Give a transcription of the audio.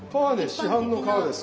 市販の皮です